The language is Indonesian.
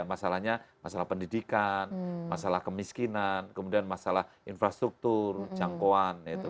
masalahnya masalah pendidikan masalah kemiskinan kemudian masalah infrastruktur jangkauan